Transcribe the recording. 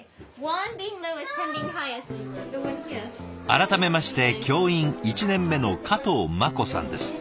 改めまして教員１年目の加藤茉子さんです。